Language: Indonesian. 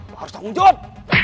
lo harus tanggung jawab